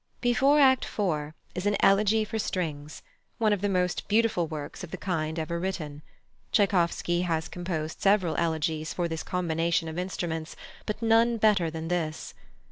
Before Act iv. is an élégie for strings: one of the most beautiful works of the kind ever written. Tschaikowsky has composed several elegies for this combination of instruments, but none better than this.